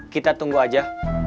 kita tunggu aja